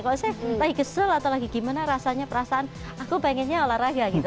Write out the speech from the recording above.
kalau saya lagi kesel atau lagi gimana rasanya perasaan aku pengennya olahraga gitu